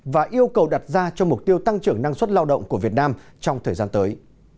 và yêu cầu đặt ra cho mục tiêu tăng trưởng năng suất lao động của việt nam trong thời gian tới